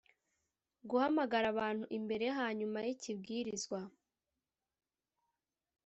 guhamagara abantu imbere hanyuma y'ikibwirizwa.